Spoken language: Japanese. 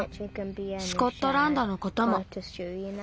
スコットランドのことも。